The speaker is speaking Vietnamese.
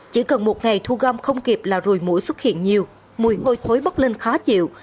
chỉ cần một ngày thu gom không kịp là rồi mũi xuất hiện nhiều mùi hôi thối bốc lên khó chịu